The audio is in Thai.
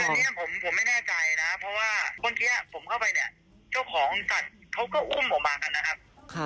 อันนี้ผมไม่แน่ใจนะเพราะว่าเมื่อกี้ผมเข้าไปเนี่ยเจ้าของสัตว์เขาก็อุ้มออกมากันนะครับ